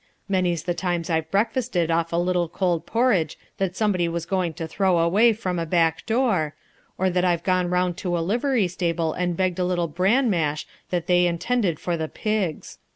Many's the time I've breakfasted off a little cold porridge that somebody was going to throw away from a back door, or that I've gone round to a livery stable and begged a little bran mash that they intended for the pigs.